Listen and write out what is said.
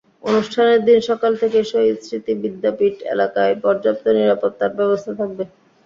অনুষ্ঠানের দিন সকাল থেকেই শহীদ স্মৃতি বিদ্যাপীঠ এলাকায় পর্যাপ্ত নিরাপত্তার ব্যবস্থা থাকবে।